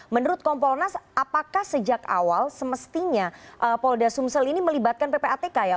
menurut kompolnas apakah sejak awal semestinya polda sumsel ini melibatkan ppatk ya